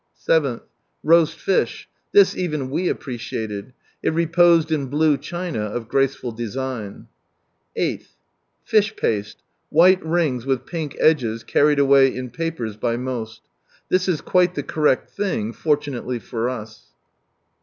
7th. Roast fish. This even we appreciated. It reposed in blue china, of graceful design. 8th. Fish paste : white rings with pink edges, carried away in papers, by roost. This is quite the correct thing, formnaiely for us.